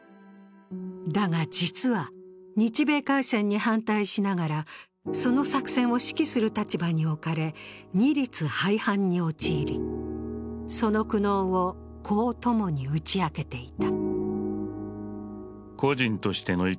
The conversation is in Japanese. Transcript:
だが、実は、日米開戦に反対しながらその作戦を指揮する立場に置かれ二律背反に陥り、その苦悩をこう友に打ち明けていた。